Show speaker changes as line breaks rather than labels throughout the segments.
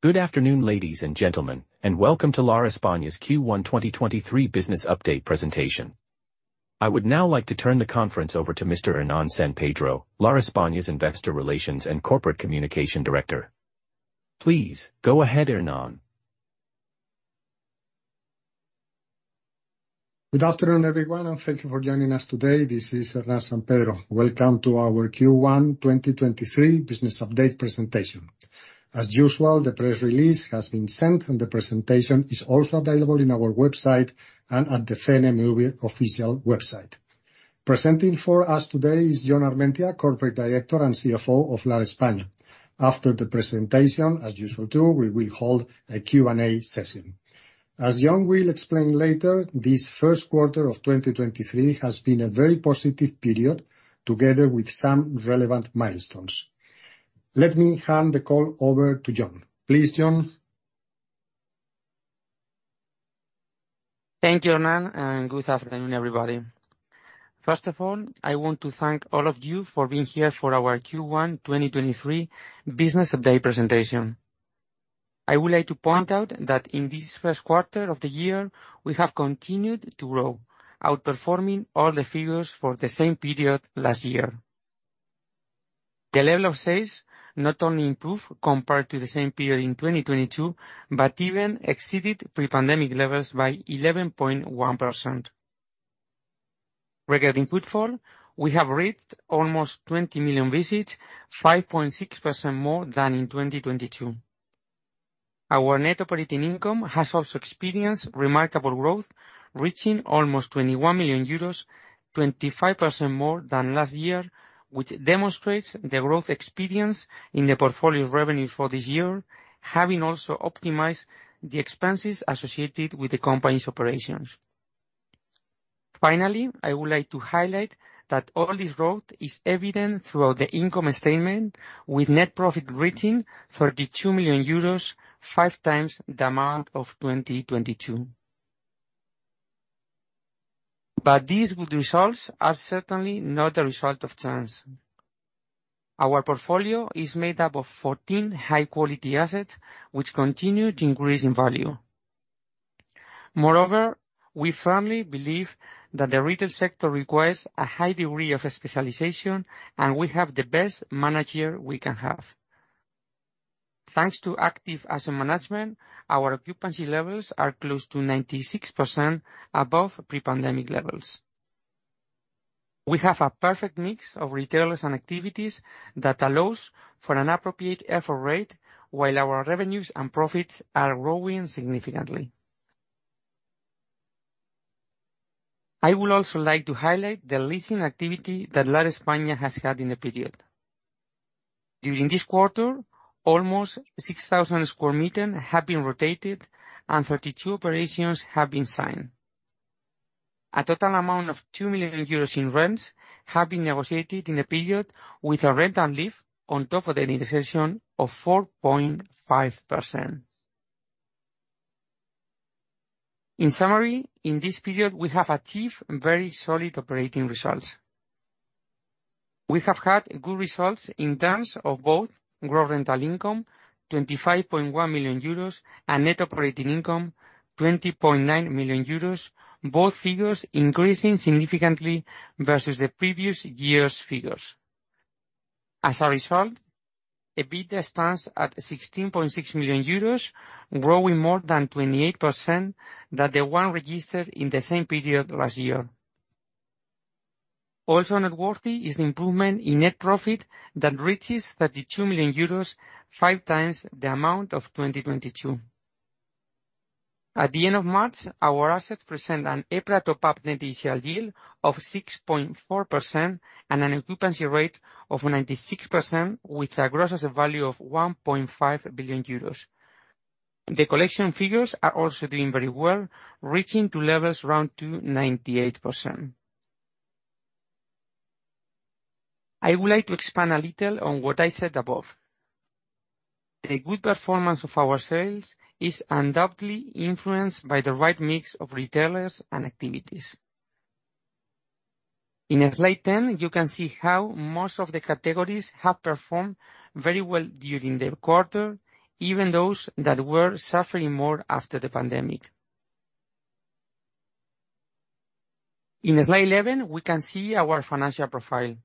Good afternoon, ladies and gentlemen, welcome to Lar España's Q1 2023 business update presentation. I would now like to turn the conference over to Mr. Hernán San Pedro, Lar España's Investor Relations and Corporate Communication Director. Please, go ahead, Hernán.
Good afternoon, everyone. Thank you for joining us today. This is Hernán San Pedro. Welcome to our Q1 2023 business update presentation. As usual, the press release has been sent, and the presentation is also available in our website and at the CNMV official website. Presenting for us today is Jon Armentia, Corporate Director and CFO of Lar España. After the presentation, as usual too, we will hold a Q&A session. As Jon will explain later, this first quarter of 2023 has been a very positive period, together with some relevant milestones. Let me hand the call over to Jon. Please, Jon.
Thank you, Hernán. Good afternoon, everybody. First of all, I want to thank all of you for being here for our Q1 2023 business update presentation. I would like to point out that in this first quarter of the year, we have continued to grow, outperforming all the figures for the same period last year. The level of sales not only improved compared to the same period in 2022, but even exceeded pre-pandemic levels by 11.1%. Regarding footfall, we have reached almost 20 million visits, 5.6% more than in 2022. Our net operating income has also experienced remarkable growth, reaching almost 21 million euros, 25% more than last year, which demonstrates the growth experience in the portfolio revenue for this year, having also optimized the expenses associated with the company's operations. Finally, I would like to highlight that all this growth is evident throughout the income statement, with net profit reaching 32 million euros, 5 times the amount of 2022. These good results are certainly not a result of chance. Our portfolio is made up of 14 high-quality assets, which continue to increase in value. Moreover, we firmly believe that the retail sector requires a high degree of specialization, and we have the best manager we can have. Thanks to active asset management, our occupancy levels are close to 96% above pre-pandemic levels. We have a perfect mix of retailers and activities that allows for an appropriate effort rate while our revenues and profits are growing significantly. I would also like to highlight the leasing activity that Lar España has had in the period. During this quarter, almost 6,000 square meter have been rotated and 32 operations have been signed. A total amount of 2 million euros in rents have been negotiated in the period with a rent and lift on top of the initiation of 4.5%. In summary, in this period we have achieved very solid operating results. We have had good results in terms of both gross rental income, 25.1 million euros, and net operating income, 20.9 million euros, both figures increasing significantly versus the previous year's figures. As a result, EBITDA stands at 16.6 million euros, growing more than 28% than the one registered in the same period last year. Also noteworthy is the improvement in net profit that reaches 32 million euros, 5 times the amount of 2022. At the end of March, our assets present an EPRA topped-up net initial yield of 6.4% and an occupancy rate of 96%, with a gross asset value of 1.5 billion euros. The collection figures are also doing very well, reaching to levels around to 98%. I would like to expand a little on what I said above. The good performance of our sales is undoubtedly influenced by the right mix of retailers and activities. In slide 10, you can see how most of the categories have performed very well during the quarter, even those that were suffering more after the pandemic. In slide 11, we can see our financial profile.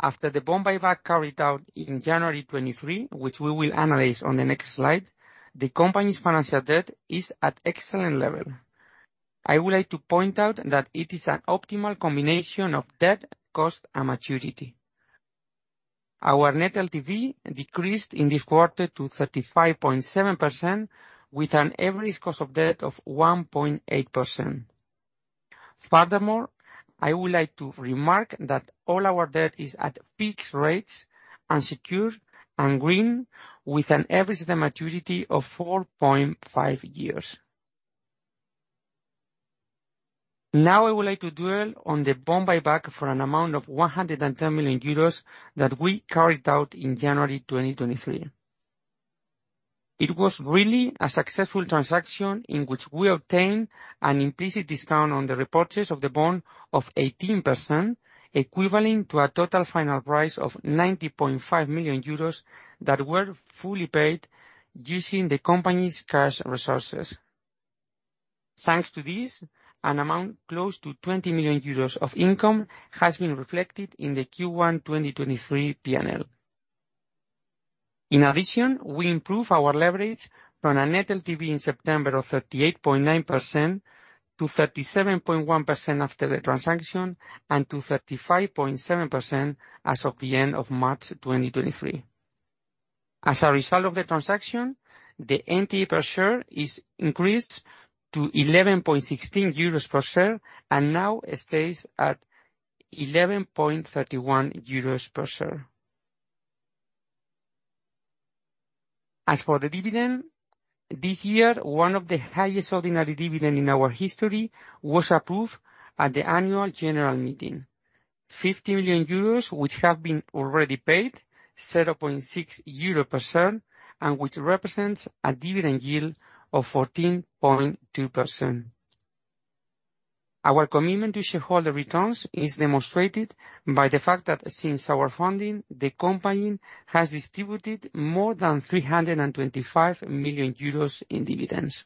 After the bond buyback carried out in January 2023, which we will analyze on the next slide, the company's financial debt is at excellent level. I would like to point out that it is an optimal combination of debt, cost, and maturity. Our net LTV decreased in this quarter to 35.7% with an average cost of debt of 1.8%. I would like to remark that all our debt is at fixed rates and secure and green with an average term maturity of 4.5 years. I would like to dwell on the bond buyback for an amount of 110 million euros that we carried out in January 2023. It was really a successful transaction in which we obtained an implicit discount on the repurchase of the bond of 18%, equivalent to a total final price of 90.5 million euros that were fully paid using the company's cash resources. Thanks to this, an amount close to 20 million euros of income has been reflected in the Q1 2023 P&L. We improve our leverage from a net LTV in September of 38.9% to 37.1% after the transaction and to 35.7% as of the end of March 2023. As a result of the transaction, the NTA per share is increased to 11.16 euros per share and now stays at 11.31 euros per share. As for the dividend, this year, one of the highest ordinary dividend in our history was approved at the annual general meeting. 50 million euros, which have been already paid, 0.6 euro per share. Which represents a dividend yield of 14.2%. Our commitment to shareholder returns is demonstrated by the fact that since our funding, the company has distributed more than 325 million euros in dividends.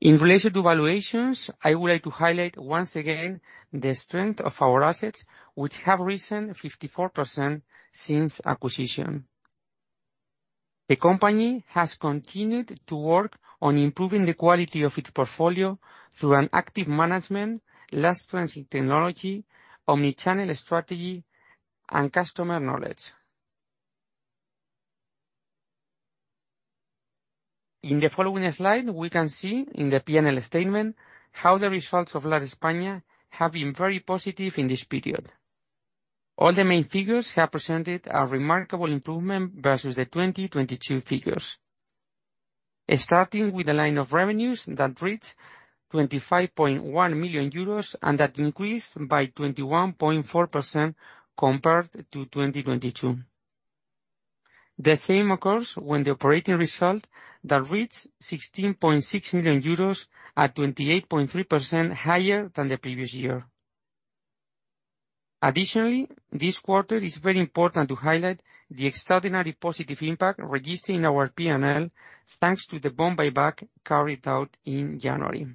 In relation to valuations, I would like to highlight once again the strength of our assets, which have risen 54% since acquisition. The company has continued to work on improving the quality of its portfolio through an active management, last mile technology, omni-channel strategy, and customer knowledge. In the following slide, we can see in the P&L statement how the results of Lar España have been very positive in this period. All the main figures have presented a remarkable improvement versus the 2022 figures. Starting with the line of revenues that reached 25.1 million euros and that increased by 21.4% compared to 2022. The same occurs when the operating result that reached 16.6 million euros at 28.3% higher than the previous year. This quarter is very important to highlight the extraordinary positive impact registered in our P&L, thanks to the bond buyback carried out in January.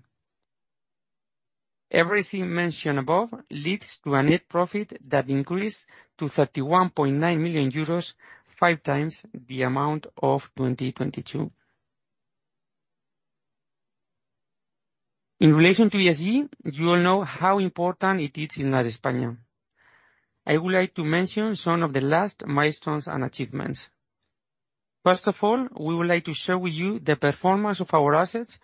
Everything mentioned above leads to a net profit that increased to 31.9 million euros, 5 times the amount of 2022. In relation to ESG, you all know how important it is in Lar España. I would like to mention some of the last milestones and achievements. We would like to share with you the performance of our assets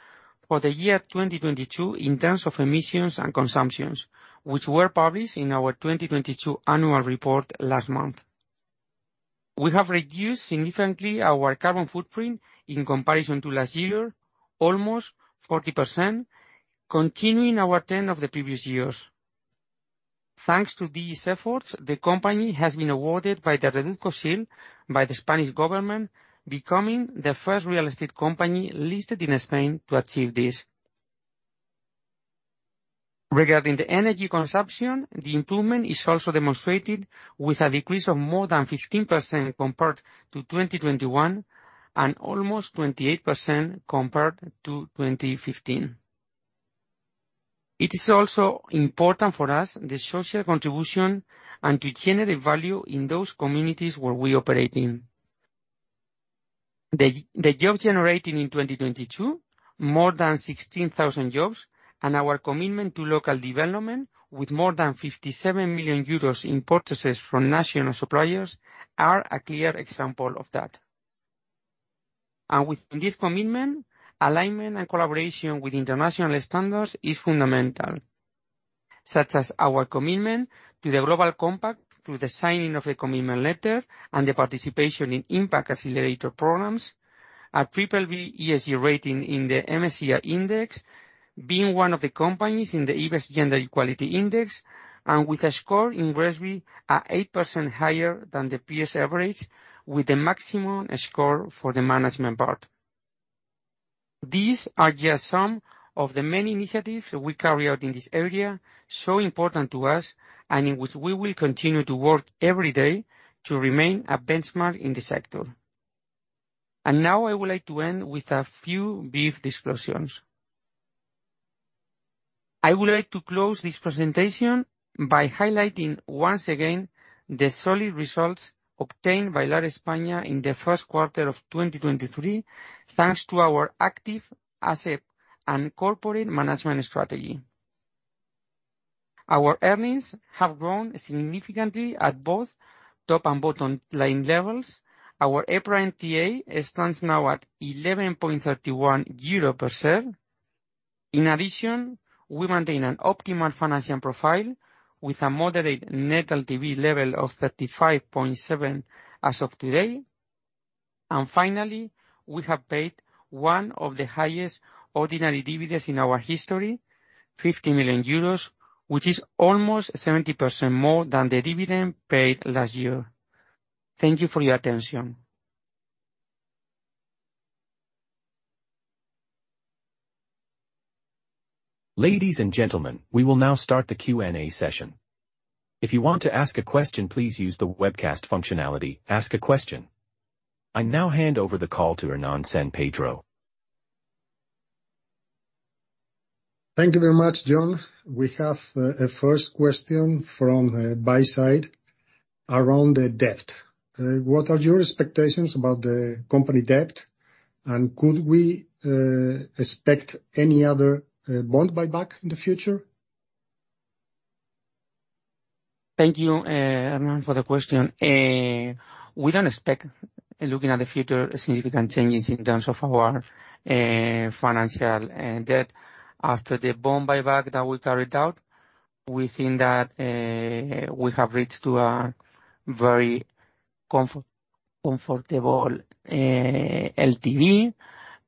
for the year 2022 in terms of emissions and consumptions, which were published in our 2022 annual report last month. We have reduced significantly our carbon footprint in comparison to last year, almost 40%, continuing our trend of the previous years. Thanks to these efforts, the company has been awarded by the Reduzco seal by the Spanish government, becoming the first real estate company listed in Spain to achieve this. Regarding the energy consumption, the improvement is also demonstrated with a decrease of more than 15% compared to 2021, and almost 28% compared to 2015. It is also important for us the social contribution and to generate value in those communities where we operate in. The jobs generated in 2022, more than 16,000 jobs, and our commitment to local development with more than 57 million euros in purchases from national suppliers are a clear example of that. Within this commitment, alignment and collaboration with international standards is fundamental, such as our commitment to the Global Compact through the signing of a commitment letter and the participation in impact accelerator programs, an AAA ESG rating in the MSCI index, being one of the companies in the IBEX Gender Equality Index, and with a score in GRESB at 8% higher than the PS average, with the maximum score for the management part. These are just some of the many initiatives we carry out in this area, so important to us, and in which we will continue to work every day to remain a benchmark in the sector. Now I would like to end with a few brief disclosures. I would like to close this presentation by highlighting once again the solid results obtained by Lar España in the first quarter of 2023, thanks to our active asset and corporate management strategy. Our earnings have grown significantly at both top and bottom line levels. Our EPRA NAV stands now at 11.31 euro per share. We maintain an optimal financial profile with a moderate net LTV level of 35.7% as of today. Finally, we have paid one of the highest ordinary dividends in our history, 50 million euros, which is almost 70% more than the dividend paid last year. Thank you for your attention.
Ladies and gentlemen, we will now start the Q&A session. If you want to ask a question, please use the webcast functionality, "Ask a question." I now hand over the call to Hernán San Pedro.
Thank you very much, Jon. We have a first question from buy side around the debt. What are your expectations about the company debt? Could we expect any other bond buyback in the future?
Thank you, Hernán, for the question. We don't expect, looking at the future, significant changes in terms of our financial debt. After the bond buyback that we carried out, we think that we have reached to a very comfortable LTV.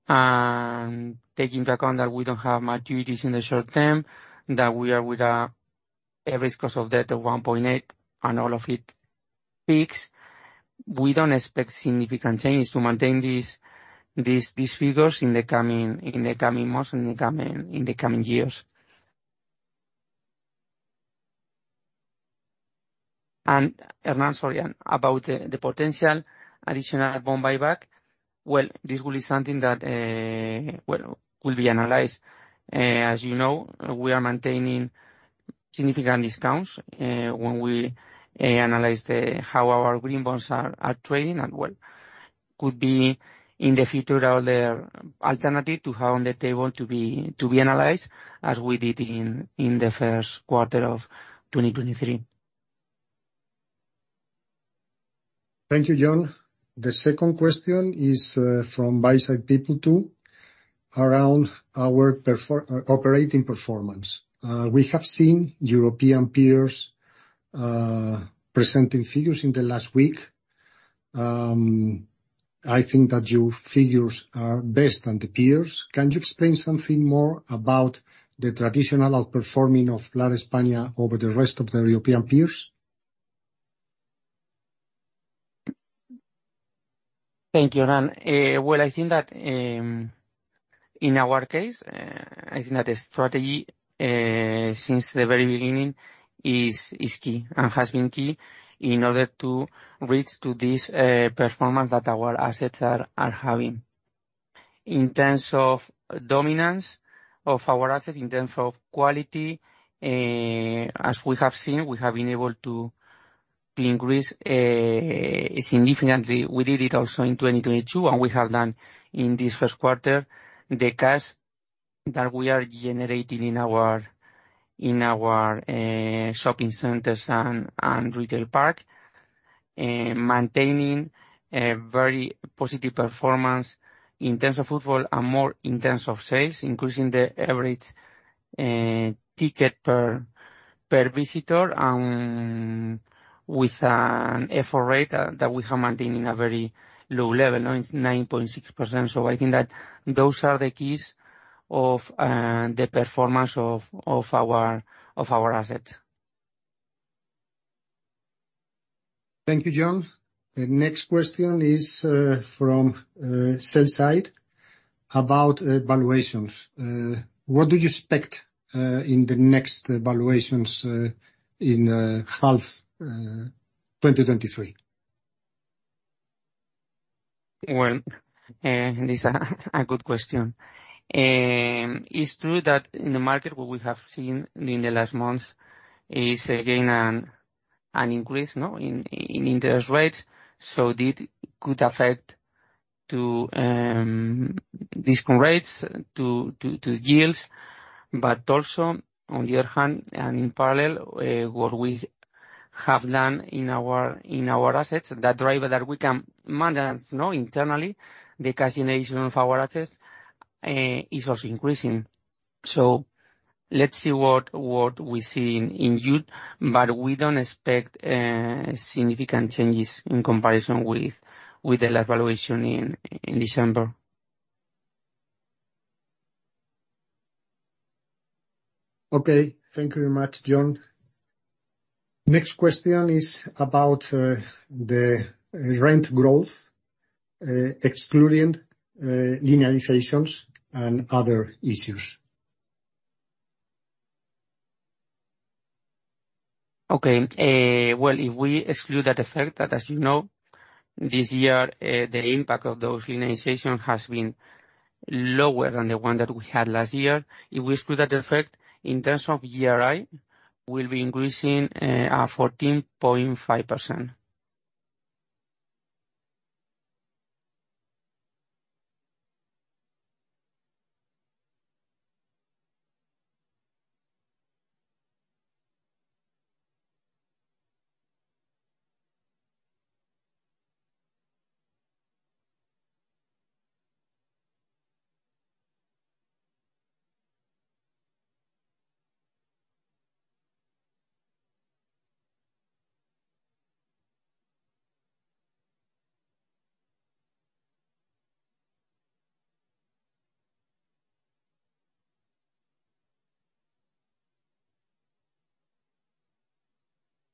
Taking into account that we don't have maturities in the short term, that we are with a average cost of debt of 1.8%, and all of it fixed, we don't expect significant changes to maintain these figures in the coming months, in the coming years. Hernán, sorry. About the potential additional bond buyback, well, this will be something that, well, will be analyzed. As you know, we are maintaining significant discounts, when we analyze how our green bonds are trading and what could be in the future or their alternative to have on the table to be analyzed as we did in the first quarter of 2023.
Thank you, Jon. The second question is from buy side people too, around our operating performance. We have seen European peers presenting figures in the last week. I think that your figures are best than the peers. Can you explain something more about the traditional outperforming of Lar España over the rest of the European peers?
Thank you, Hernán. Well, I think that in our case, I think that the strategy since the very beginning is key and has been key in order to reach to this performance that our assets are having. In terms of dominance of our assets, in terms of quality, as we have seen, we have been able to increase significantly. We did it also in 2022. We have done in this 1st quarter the cash that we are generating in our shopping centers and retail park, maintaining a very positive performance in terms of footfall and more in terms of sales, increasing the average ticket per visitor and with an effort rate that we have maintained in a very low level. Now it's 9.6%. I think that those are the keys of the performance of our assets.
Thank you, John. The next question is from sell side about valuations. What do you expect in the next valuations in half 2023?
Well, this a good question. It's true that in the market, what we have seen in the last months is, again, an increase, no, in interest rates. This could affect to discount rates to yields. Also, on the other hand and in parallel, what we have done in our, in our assets, that driver that we can manage, no, internally, the cash generation of our assets, is also increasing. Let's see what we see in youth. We don't expect significant changes in comparison with the last valuation in December.
Okay. Thank you very much, Jon. Next question is about the rent growth, excluding linearizations and other issues.
Well, if we exclude that effect, that as you know, this year, the impact of those linearization has been lower than the one that we had last year. If we exclude that effect, in terms of GRI, we'll be increasing our 14.5%.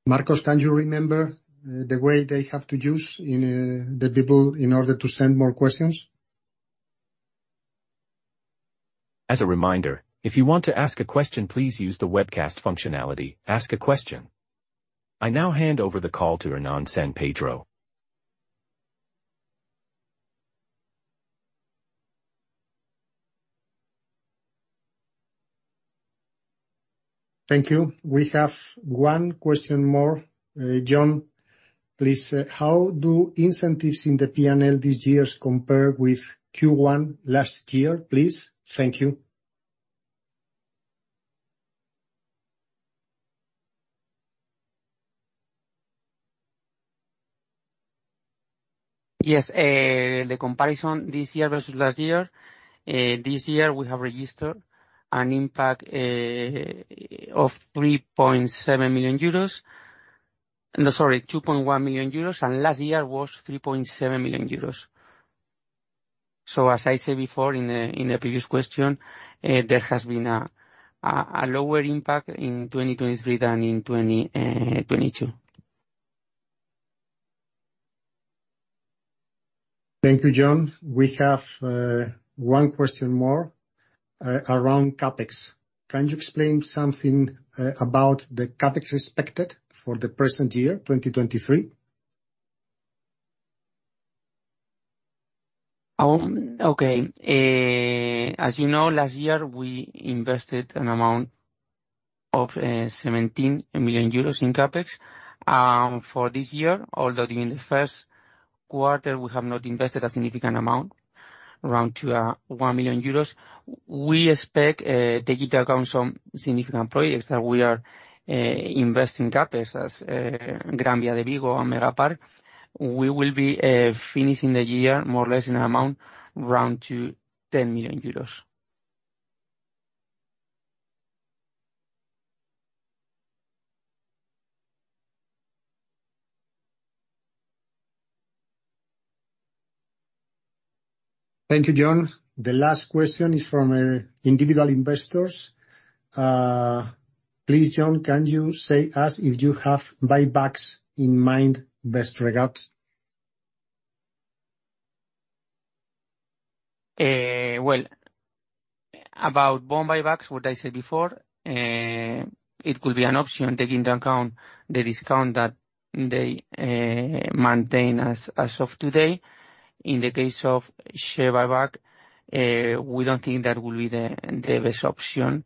Marcos, can you remember, the way they have to use in, the people in order to send more questions?
As a reminder, if you want to ask a question, please use the webcast functionality, Ask a question. I now hand over the call to Hernán San Pedro.
Thank you. We have one question more. Jon, please. How do incentives in the P&L this year compare with Q1 last year, please? Thank you.
Yes. The comparison this year versus last year. This year, we have registered an impact of 3.7 million euros. No, sorry, 2.1 million euros, and last year was 3.7 million euros. As I said before in the previous question, there has been a lower impact in 2023 than in 2022.
Thank you, Jon. We have 1 question more around CapEx. Can you explain something about the CapEx expected for the present year, 2023?
Okay. As you know, last year, we invested an amount of 17 million euros in CapEx. For this year, although during the first quarter we have not invested a significant amount, around 1 million euros, we expect, taking account some significant projects that we are investing CapEx as Gran Vía de Vigo and Megapark. We will be finishing the year more or less in an amount around to 10 million euros.
Thank you, John. The last question is from individual investors. Please, John, can you say us if you have buybacks in mind? Best regards.
Well, about bond buybacks, what I said before, it could be an option taking into account the discount that they maintain as of today. In the case of share buyback, we don't think that will be the best option,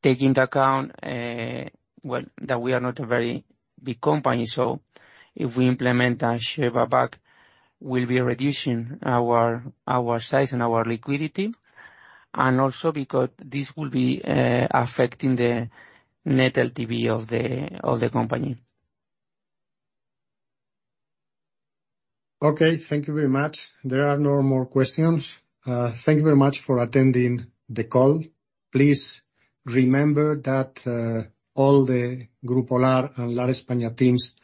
taking into account, well, that we are not a very big company, so if we implement a share buyback, we'll be reducing our size and our liquidity, and also because this will be affecting the net LTV of the company.
Okay. Thank you very much. There are no more questions. Thank you very much for attending the call. Please remember that all the Grupo Lar and Lar España teams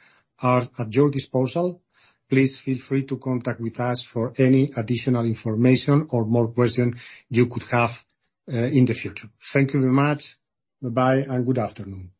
are at your disposal. Please feel free to contact with us for any additional information or more question you could have in the future. Thank you very much. Bye-bye, and good afternoon.